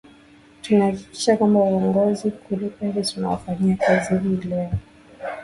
tunahakika kwamba uongozi kule paris unawafanyia kazi hii leo